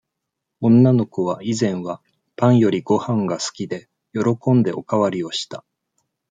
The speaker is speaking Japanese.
女の子は、以前は、パンより御飯が好きで、喜んでお代わりをした。